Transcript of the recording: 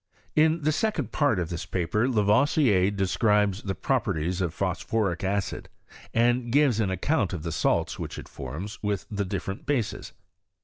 In the second part of this paper, Lavoisier de scribes the properties of phosphoric acid, and gives an account of the salts which it forms with the dif ferent bases.